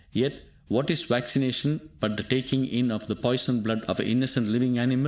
Yet, what is vaccination but the taking in of the poisoned blood of an innocent living animal?